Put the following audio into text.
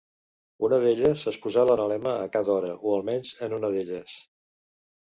Una d'elles és posar l'analema a cada hora o almenys en una d'elles.